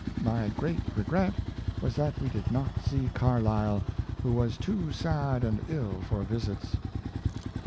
My great regret was that we did not see Carlyle, who was too sad and ill for visits.